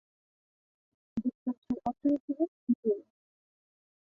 যুক্তরাষ্ট্রের অর্থনীতিবিদ জে।